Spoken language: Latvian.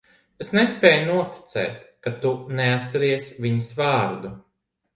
Es nespēju noticēt, ka tu neatceries viņas vārdu.